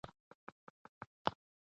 ټولنیزې رسنۍ د فشار سبب کېدای شي.